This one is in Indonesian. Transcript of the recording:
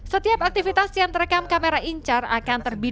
setiap aktivitas yang terekam kamera inchar akan terbina